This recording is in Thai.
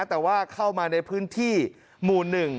แต่ว่าเข้ามาในพื้นที่หมู่๑